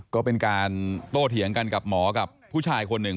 ก็เป็นการโตเถียงกันกับหมอกับผู้ชายคนหนึ่ง